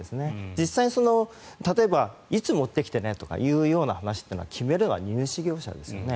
実際に例えばいつ持ってきてねという話というのを決めるのは荷主業者ですよね。